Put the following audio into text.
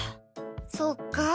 そっか。